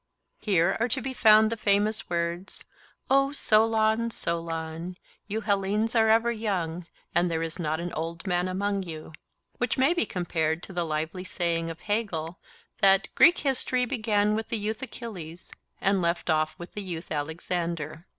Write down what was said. Here are to be found the famous words, 'O Solon, Solon, you Hellenes are ever young, and there is not an old man among you'—which may be compared to the lively saying of Hegel, that 'Greek history began with the youth Achilles and left off with the youth Alexander.